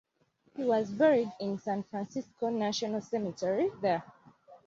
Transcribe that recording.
He was buried in San Francisco National Cemetery there.